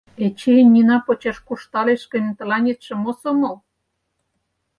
Эчей Нина почеш куржталеш гын, тыланетше мо сомыл?